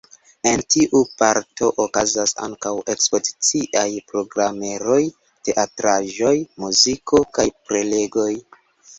En tiu parto okazas ankaŭ ekspoziciaj programeroj: teatraĵoj, muziko kaj prelegoj.